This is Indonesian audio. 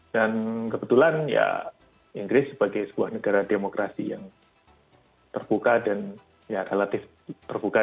dan kebetulan ya inggris sebagai sebuah negara demokrasi yang terbuka dan relatif terbuka